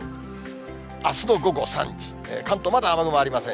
あすの午後３時、関東まだ雨雲ありません。